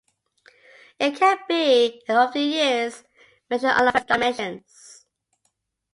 It can be, and often is, measured along various dimensions.